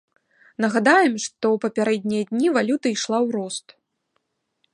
Нагадаем, што папярэднія дні валюта ішла ў рост.